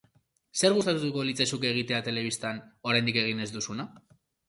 Zer gustatuko litzaizuke egitea telebistan oraindik egin ez duzuna?